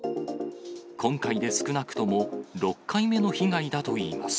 今回で少なくとも６回目の被害だといいます。